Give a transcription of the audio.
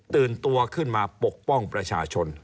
ตัวขึ้นมาปกป้องประชาชน